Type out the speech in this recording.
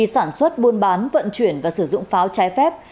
các hành vi sản xuất buôn bán vận chuyển và sử dụng pháo trái phép